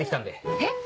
えっ！